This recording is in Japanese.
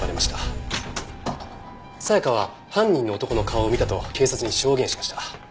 沙也加は犯人の男の顔を見たと警察に証言しました。